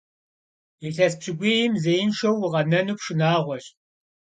Илъэс пщыкӀуийм зеиншэу укъэнэну шынагъуэщ.